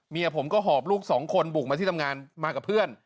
เมียผมก็หอบลูกสองคนบุกมาที่ทำงานมากับเพื่อน